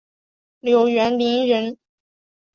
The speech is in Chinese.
刘元霖人。